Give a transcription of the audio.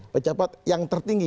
pejabat yang tertinggi